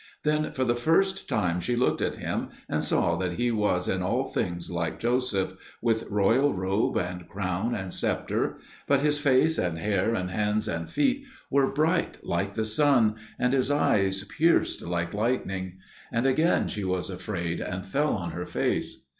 Then for the first time she looked at him, and saw that he was in all things like Joseph, with royal robe, and crown and sceptre; but his face, and hair, and hands and feet were bright like the sun, and his eyes pierced like lightning; and again she was afraid, and fell on her face.